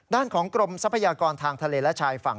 ด้านของกรมทรัพยากรทางทะเลและชายฝั่ง